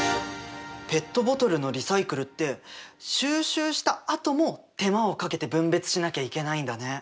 ペットボトルのリサイクルって収集したあとも手間をかけて分別しなきゃいけないんだね。